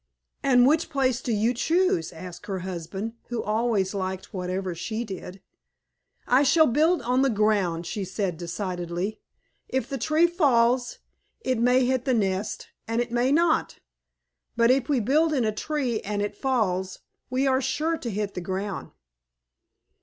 "And which place do you choose?" asked her husband, who always liked whatever she did. "I shall build on the ground," she said decidedly. "If the tree falls, it may hit the nest and it may not, but if we build in the tree and it falls, we are sure to hit the ground."